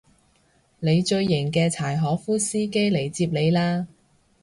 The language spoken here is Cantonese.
你最型嘅柴可夫司機嚟接你喇